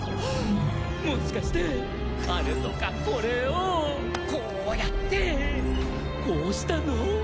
もしかしてあれとかこれをこうやってこうしたの？